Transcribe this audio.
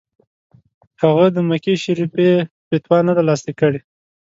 هغه د مکې شریف فتوا نه ده لاسلیک کړې.